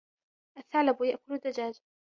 الثَّعْلَبُ يَأْكُلُ الدَّجَاجَ.